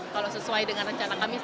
kalau sesuai dengan rencana kami